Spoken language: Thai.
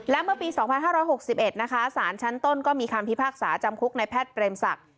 และเมื่อปี๒๕๖๑นะคะสารชั้นต้นก็มีคำพิพากษาจำคุกในแพทย์เปรมศักดิ์